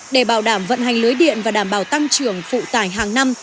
để bảo đảm vận hành lưới điện và đảm bảo tăng trưởng phụ tải hàng năm